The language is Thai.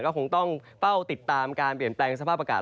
ก็คงต้องเฝ้าติดตามการเปลี่ยนแปลงสภาพอากาศ